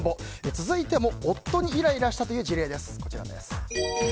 続いても夫にイライラしたという事例です。